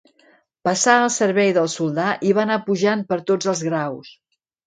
Passà al servei del soldà i va anar pujant per tots els graus.